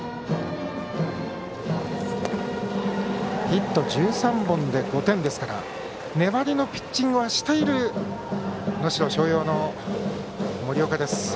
ヒット１３本で５点ですから粘りのピッチングはしている能代松陽の森岡。